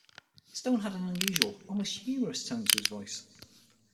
Stone had an unusual, almost humorous tone to his voice.